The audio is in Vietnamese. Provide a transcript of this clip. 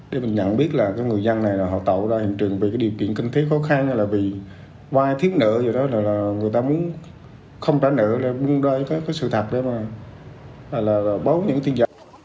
để mình nhận biết là cái người dân này họ tạo ra hiện trường vì cái điều kiện kinh thiết khó khăn hay là vì ngoài thiếp nữ gì đó là người ta muốn không trả nữ là muốn đưa ra cái sự thật đấy mà là báo những tin giảm